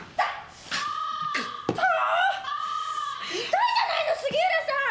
痛いじゃないの杉浦さん！